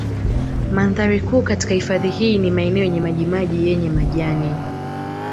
Mandhari kuu katika hifadhi hii ni maeneo yenye maji maji yenye majani